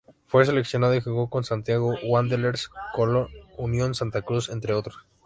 Fue seleccionado y jugó en Santiago Wanderers, Colo-Colo, Unión Santa Cruz, entre otros.